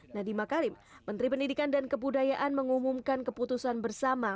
nadiem makarim menteri pendidikan dan kebudayaan mengumumkan keputusan bersama